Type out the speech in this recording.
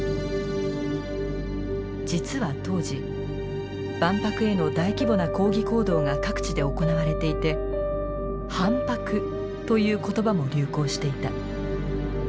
実は当時万博への大規模な抗議行動が各地で行われていてハンパクという言葉も流行していた。